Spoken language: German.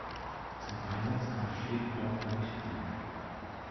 Zum Einsatz kam Schilling dort aber nicht mehr.